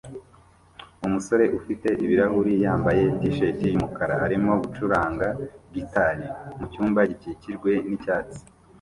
Umusore ufite ibirahuri yambaye t-shati yumukara arimo gucuranga gitari mucyumba gikikijwe n'icyatsi